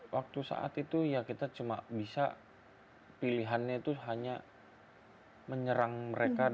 waktu saat itu ya kita cuma bisa pilihannya itu hanya menyerang mereka